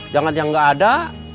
jangan yang ga ada